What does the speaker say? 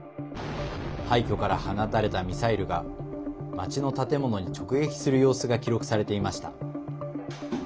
廃墟から放たれたミサイルが街の建物に直撃する様子が記録されていました。